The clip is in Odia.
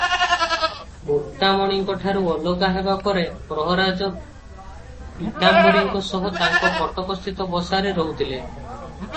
ମୁକ୍ତାମଣିଙ୍କଠାରୁ ଅଲଗା ହେବା ପରେ ପ୍ରହରାଜ ପୀତାମ୍ବରୀଙ୍କ ସହ ତାଙ୍କ କଟକସ୍ଥିତ ବସାରେ ରହୁଥିଲେ ।